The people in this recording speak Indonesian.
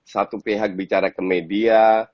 satu pihak bicara ke media